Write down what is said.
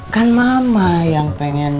kan mama yang pengen